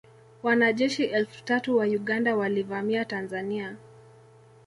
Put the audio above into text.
Wanajeshi elfu tatu wa Uganda walivamia Tanzania